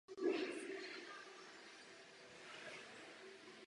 Je určený jako pomník všem obětem z řad cyklistů v Praze.